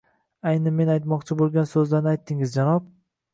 –Ayni men aytmoqchi bo‘lgan so‘zlarni aytdingiz, janob!